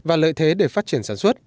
và lợi thế để phát triển sản xuất